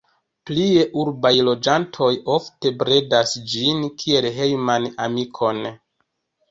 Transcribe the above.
Plie urbaj loĝantoj ofte bredas ĝin kiel hejman amikon.